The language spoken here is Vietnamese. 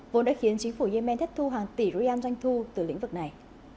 vốn đã khiến chính phủ yemen thất thu hàng tỷ rui am doanh thu từ lĩnh vực này